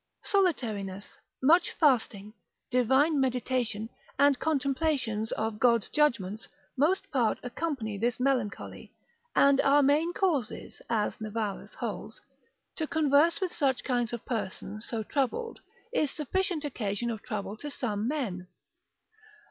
Solitariness, much fasting, divine meditation, and contemplations of God's judgments, most part accompany this melancholy, and are main causes, as Navarrus holds; to converse with such kinds of persons so troubled, is sufficient occasion of trouble to some men.